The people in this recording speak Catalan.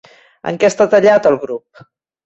En què està tallat el grup?